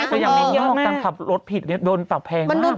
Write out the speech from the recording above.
แต่อย่างนี้มีออกการขับรถผิดโดนตับแพงมาก